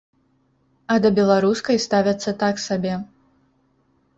А да беларускай ставяцца так сабе.